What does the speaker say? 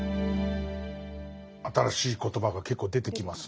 新しい言葉が結構出てきますね。